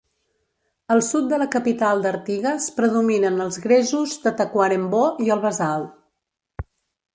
Al sud de la capital d'Artigas, predominen els gresos de Tacuarembó i el basalt.